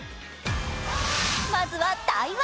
まずは台湾。